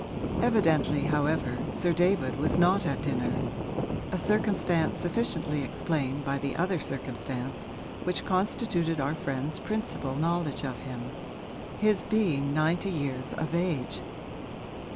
Evidently, however, Sir David was not at dinner, a circumstance sufficiently explained by the other circumstance which constituted our friend's principal knowledge of him his being ninety years of age.